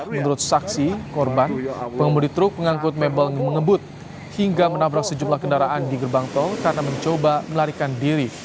menurut saksi korban pengemudi truk pengangkut mebel mengebut hingga menabrak sejumlah kendaraan di gerbang tol karena mencoba melarikan diri